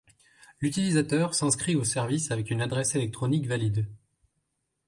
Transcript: L'utilisateur s'inscrit au service avec une adresse électronique valide.